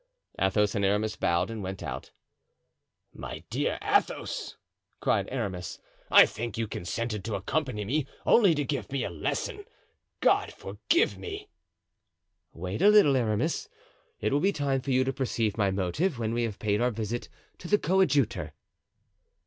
Athos and Aramis bowed and went out. "My dear Athos," cried Aramis, "I think you consented to accompany me only to give me a lesson—God forgive me!" "Wait a little, Aramis; it will be time for you to perceive my motive when we have paid our visit to the coadjutor."